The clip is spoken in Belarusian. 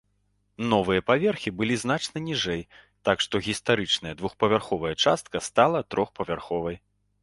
Новыя паверхі былі значна ніжэй, так што гістарычная двухпавярховая частка стала трохпавярховай.